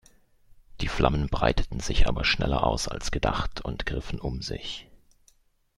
Die Flammen breiteten sich aber schneller aus als gedacht und griffen um sich.